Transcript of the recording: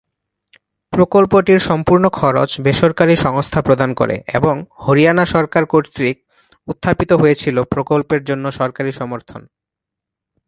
প্রকল্পটির সম্পূর্ণ খরচ বেসরকারি সংস্থা প্রদান করে এবং হরিয়ানা সরকার কর্তৃক উত্থাপিত হয়েছিল প্রকল্পের জন্য সরকারি সমর্থন।